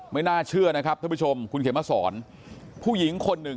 ไม่น่าเชื่อนะครับท่านผู้ชมคุณเขียนมาสอนผู้หญิงคนหนึ่ง